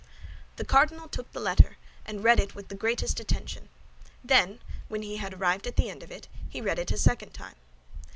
The cardinal took the letter, and read it with the greatest attention; then, when he had arrived at the end of it, he read it a second time.